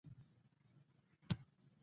د احمد زړه مې مات کړ، په نه خبره مې خپه کړ.